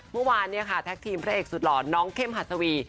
เมื่อวานเนี่ยค่ะแท็กทีมพระเอกสุดหล่อน้องเข้มหัสวี